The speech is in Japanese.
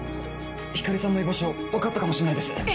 光莉さんの居場所分かったかもしれないです。